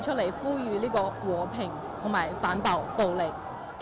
jadi saya harus berdiri untuk memberikan kebaikan dan menolak kekerasan